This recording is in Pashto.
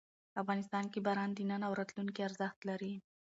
افغانستان کې باران د نن او راتلونکي ارزښت لري.